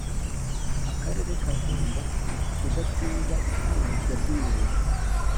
Akarere kagomba kudatinza itangizwa ry’imirimo